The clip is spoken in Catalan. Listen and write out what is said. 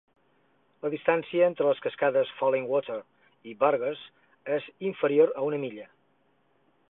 La distància entre les cascades Falling Water i Burgess és inferior a una milla.